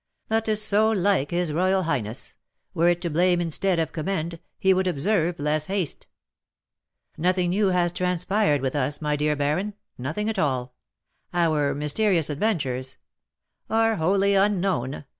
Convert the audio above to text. "That is so like his royal highness; were it to blame instead of commend, he would observe less haste." "Nothing new has transpired with us, my dear baron, nothing at all. Our mysterious adventures " "Are wholly unknown.